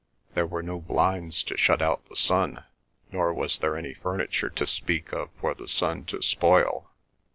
There were no blinds to shut out the sun, nor was there any furniture to speak of for the sun to spoil.